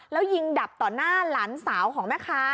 แล้วยิงดับต่อหน้าหลานสาวของแม่ค้า